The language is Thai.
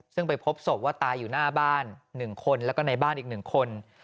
ซึ่งไปพบศพว่าตายอยู่หน้าบ้าน๑คนแล้วก็ในบ้านอีก๑คน